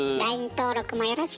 登録もよろしく。